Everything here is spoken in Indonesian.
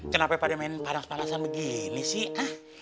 kenapa pada mainin parang parang sama gini sih